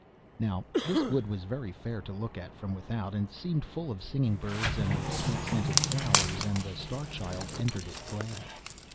Now this wood was very fair to look at from without, and seemed full of singing birds and of sweet scented flowers, and the Star Child entered it gladly.